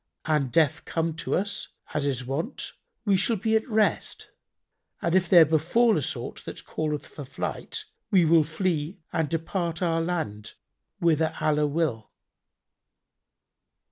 An death come to us, as is wont, we shall be at rest, and if there befal us aught that calleth for flight, we will flee and depart our land whither Allah will."